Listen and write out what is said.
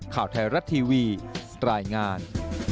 ข่าวไทยรัตน์ทีวีสไตล์งาน